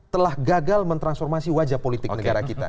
telah gagal mentransformasi wajah politik negara kita